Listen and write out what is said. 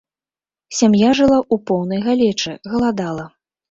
Сям'я жыла ў поўнай галечы, галадала.